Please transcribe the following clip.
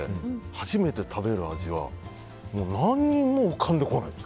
初めて食べる味は何も浮かんでこない。